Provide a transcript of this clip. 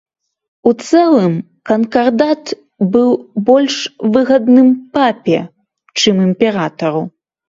У цэлым, канкардат быў больш выгадным папе, чым імператару.